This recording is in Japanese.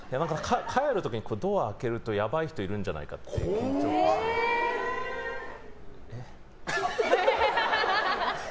帰る時にドアを開けるとやばい人がいるんじゃないかって緊張感があって。